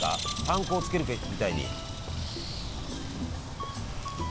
パン粉をつけるみたいに。